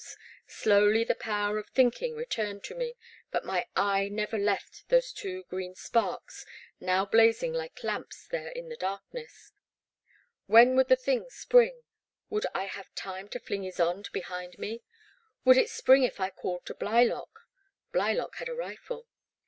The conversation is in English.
Slowly the power of thinking returned to me, but my eye never left those two green sparks, now blazing like lamps there in the darkness. When would the thing spring ? Would I have time to fling Ysonde behind me? Would it spring if I called to Blylock? Blylock had a rifle.